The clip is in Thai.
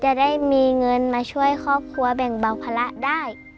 จะได้มีเงินมาช่วยครอบครัวแบ่งเบาภาระได้